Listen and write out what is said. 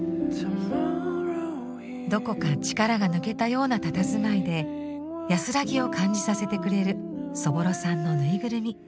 どこか力が抜けたようなたたずまいで安らぎを感じさせてくれるそぼろさんのぬいぐるみ。